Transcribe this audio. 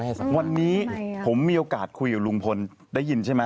วันนี้ผมมีโอกาสคุยกับลุงพลได้ยินใช่ไหม